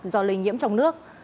do lây nhiễm trong nước